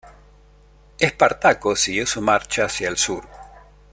Espartaco siguió su marcha hacia el sur.